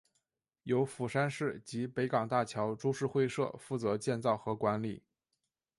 由釜山市及北港大桥株式会社负责建造和管理。